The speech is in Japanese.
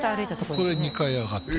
これ２階上がって